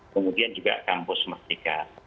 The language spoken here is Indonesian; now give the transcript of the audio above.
kemudian juga kampus merdeka